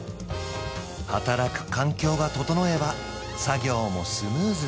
働く環境が整えば作業もスムーズ